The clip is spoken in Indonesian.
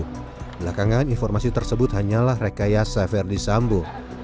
belakangan informasi tersebut hanyalah rekayasa verdi sambo